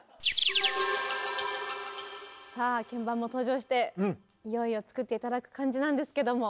さあ鍵盤も登場していよいよ作って頂く感じなんですけども。